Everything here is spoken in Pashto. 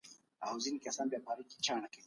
هر انسان به په خپله خوښه مذهب انتخابوي.